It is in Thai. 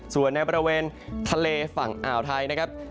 ส่วนในบริเวณทะเลฝั่งอ่าวไทยนะครับ